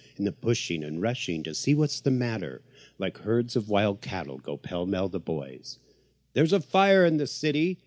And pushing and rushing to see what's the matter, Like herds of wild cattle, go pell mell the boys. There's a fire in the city!